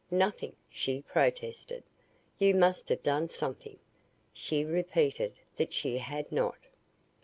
"Nothing," she protested. "You must have done something." She repeated that she had not.